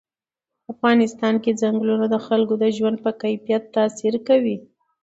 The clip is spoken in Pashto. په افغانستان کې چنګلونه د خلکو د ژوند په کیفیت تاثیر کوي.